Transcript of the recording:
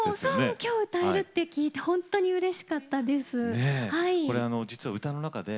きょう、歌えるって聞いて本当にうれしかったです。